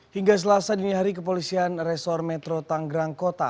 hingga selasa dini hari kepolisian resor metro tanggerang kota